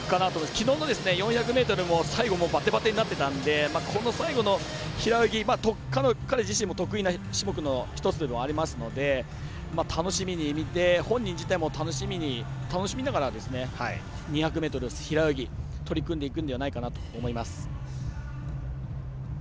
きのうの４００ｍも最後ばてばてになってたのでこの最後の平泳ぎ彼自身も得意な種目の１つでもあるので楽しみに見て本人自体も楽しみながら２００ｍ平泳ぎ取り組んでいくのではないかなと思います。